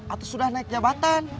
atau sudah naik jabatan